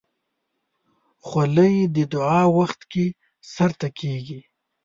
خولۍ د دعا وخت کې سر ته کېږي.